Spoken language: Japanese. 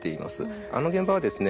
あの現場はですね